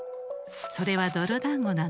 それはどろだんごなの。